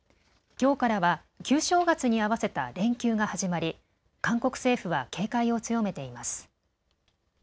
きょうからは旧正月に合わせた連休が始まり韓国政府は警戒を強めています。